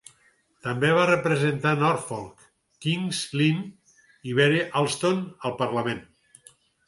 També va representar Norfolk, King's Lynn i Bere Alston al Parlament.